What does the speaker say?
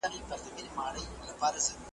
زه هره ورځ لوښي وچوم؟!